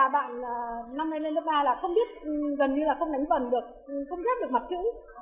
việc học lớp một học chữ là